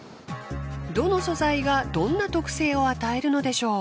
どの素材がどんな特性を与えるのでしょう？